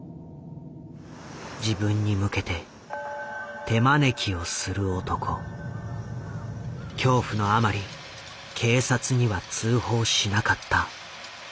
自分に向けて恐怖のあまり警察には通報しなかった。